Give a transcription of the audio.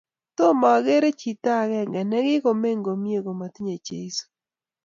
Tomo akere chit akot agenge nekikomeny komye komatinye Jeso